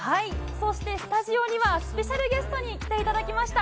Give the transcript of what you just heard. スタジオにはスペシャルゲストに来ていただきました。